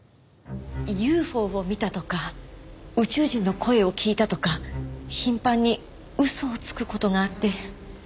ＵＦＯを見たとか宇宙人の声を聞いたとか頻繁に嘘をつく事があって。